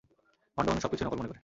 ভন্ড মানুষ সবকিছুই নকল মনে করে!